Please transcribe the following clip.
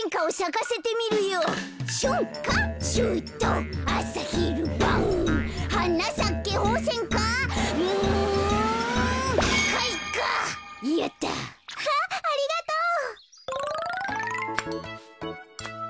わあありがとう。